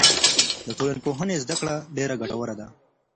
د ټولنپوهنې زده کړه ډېره ګټوره ده.